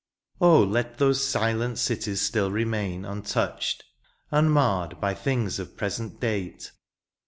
Oh ! let those silent cities still remain Untouched, immarred, by things of present date.